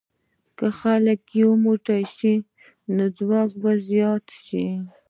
که خلک یو موټی شي، نو ځواک به زیات شي.